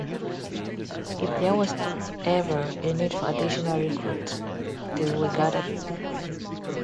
If there was ever a need for additional recruits, they were gathered by force.